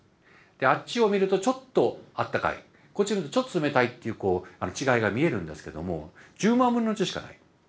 あっちを見るとちょっとあったかいこっちを見るとちょっと冷たいという違いが見えるんですけども１０万分の１しかない。